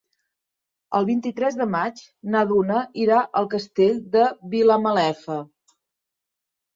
El vint-i-tres de maig na Duna irà al Castell de Vilamalefa.